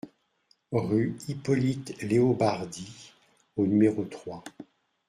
Rue Hippolyte Leobardy au numéro trois